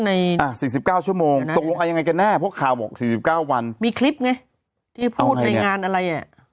ใน๔๙ชั่วโมงตกลงยังไงกันแน่พวกข่าว๔๙วันมีคลิปไงที่พูดในงานอะไร